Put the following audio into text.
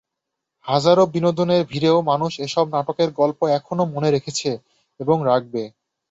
হাজারো বিনোদনের ভিড়েও মানুষ এসব নাটকের গল্প এখনো মনে রেখেছে এবং রাখবে।